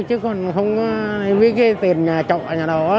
chứ còn không có cái tiền nhà trọ ở nhà đó